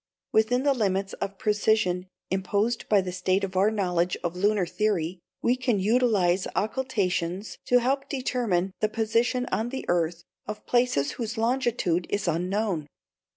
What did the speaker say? Within the limits of precision imposed by the state of our knowledge of lunar theory, we can utilize occultations to help determine the position on the earth of places whose longitude is unknown.